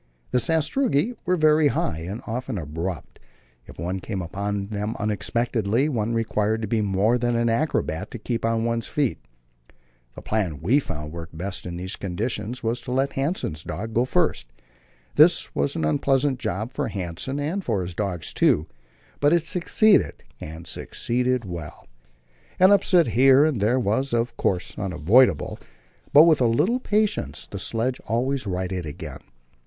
The sastrugi were very high, and often abrupt; if one came on them unexpectedly, one required to be more than an acrobat to keep on one's feet. The plan we found to work best in these conditions was to let Hanssen's dogs go first; this was an unpleasant job for Hanssen, and for his dogs too, but it succeeded, and succeeded well. An upset here and there was, of course, unavoidable, but with a little patience the sledge was always righted again.